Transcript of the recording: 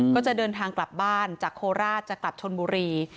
ก็จะเดินทางกลับบ้านจากโคราชจะกลับชนบุรี